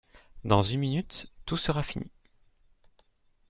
Dans une minute tout sera fini.